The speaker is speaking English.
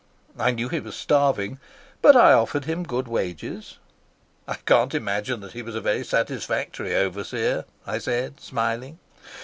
I knew he was starving, but I offered him good wages." "I can't imagine that he was a very satisfactory overseer," I said, smiling.